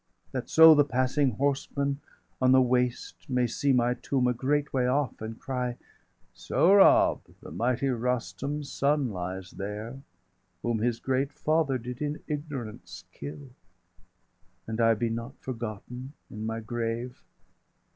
That so the passing horseman on the waste 790 May see my tomb a great way off, and cry: Sohrab, the mighty Rustum's son, lies there, Whom his great father did in ignorance kill! And I be not forgotten in my grave."